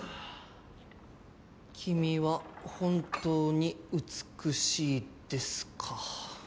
「君は本当に美しいです」か。